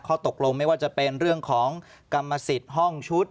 ข้อตกลงไม่ว่าจะเป็นเรื่องของกรรมสิทธิ์ห้องชุด